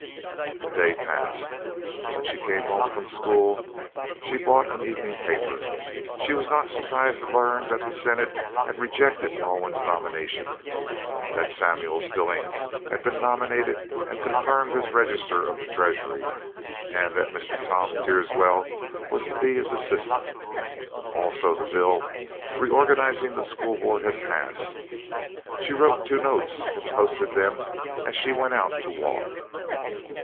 The day passed. When she came home from school she bought an evening paper. She was not surprised to learn that the Senate had rejected Alwyn's nomination; that Samuel Stillings had been nominated and confirmed as Register of the Treasury, and that Mr. Tom Teerswell was to be his assistant. Also the bill reorganizing the school board had passed. She wrote two notes and posted them as she went out to walk.